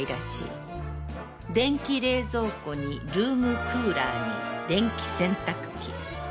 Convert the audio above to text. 電気冷蔵庫にルウム・クウラアに電気洗濯機。